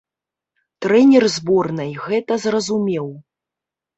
Трэнер зборнай гэта зразумеў.